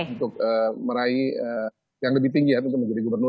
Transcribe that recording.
untuk meraih yang lebih tinggi ya tentu menjadi gubernur